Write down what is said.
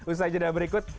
usaha jeda berikut